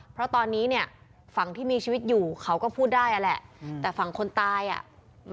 แปดพันกว่าบาทหมายถึงว่าติดผู้ต้องหาเนี่ยนะ